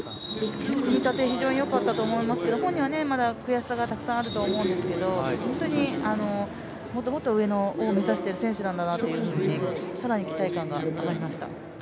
組み立て、非常によかったと思いますけれども、本人はまだ悔しさがたくさんあると思いますけど本当にもっともっと上を目指している選手なんだなと更に期待感が高まりました。